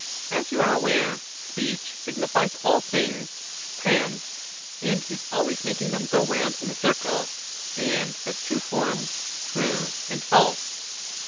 As you are aware, speech signifies all things (nav), and is always making them go round in a circle, and has two forms, true and false?